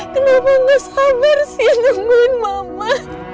kenapa gak sabar sih nungguin mama